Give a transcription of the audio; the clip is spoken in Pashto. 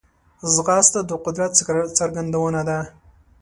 ځغاسته د قدرت څرګندونه ده